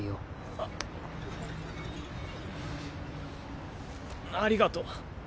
あっ。ありがと。